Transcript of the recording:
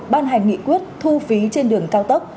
ban hành nghị quyết thu phí trên đường cao tốc